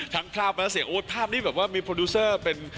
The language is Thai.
ภาพและเสียโอ๊ตภาพนี้แบบว่ามีโปรดิวเซอร์เป็น